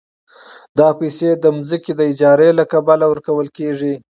دا پیسې د ځمکې د اجارې له کبله ورکول کېږي